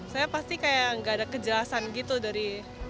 saya pasti kayak nggak ada kejelasan gitu dari